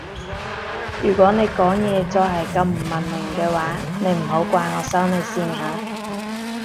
如果你講嘢再係咁唔文明嘅話你唔好怪我收你線吓